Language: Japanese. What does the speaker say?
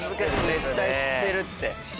絶対知ってるって。